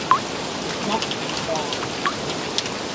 น็อตหางปลา